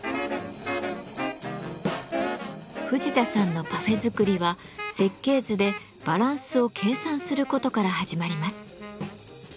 藤田さんのパフェ作りは設計図でバランスを計算することから始まります。